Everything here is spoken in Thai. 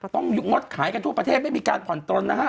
ต้องงดขายกันทั่วประเทศไม่มีการควันตรนนะฮะ